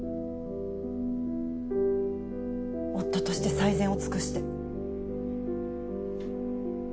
夫として最善を尽くして。